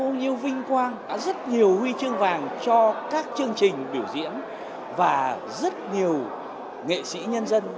bao nhiêu vinh quang rất nhiều huy chương vàng cho các chương trình biểu diễn và rất nhiều nghệ sĩ nhân dân